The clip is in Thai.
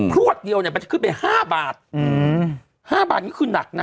พลวดเดียวมันจะขึ้นไป๕บาท๕บาทนี่คือนักนะ